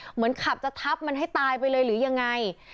เหมือนขับจะทับมันให้ตายไปเลยหรือยังไง